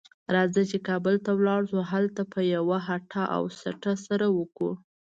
راځه چې کابل ته ولاړ شو؛ هلته به یوه هټه او سټه سره وکړو.